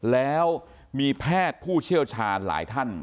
แล้วมีแพทย์ผู้เชี่ยวชาญหลายท่าน